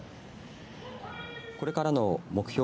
これからの目標